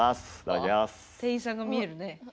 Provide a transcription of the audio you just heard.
店員さんが見えるね。